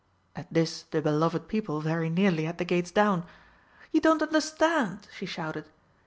At this the beloved people very nearly had the gates down. "You don't understand," she shouted.